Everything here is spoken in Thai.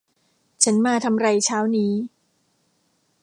ฉันมาทำไรเช้านี้